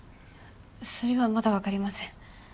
それはまだわかりません。